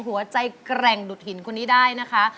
หัวใจแกร่งดุดหินคุณนี่ได้นะคะ